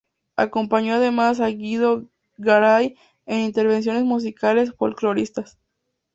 Acompañó además a Guido Garay en intervenciones musicales folcloristas.